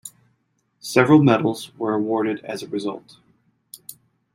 Several medals were awarded as a result.